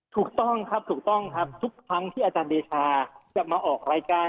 ถูกต้องครับถูกต้องครับทุกครั้งที่อาจารย์เดชาจะมาออกรายการ